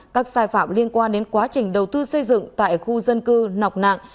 các sai phạm liên quan đến quá trình đầu tư xây dựng tại khu dân cư nọc nạng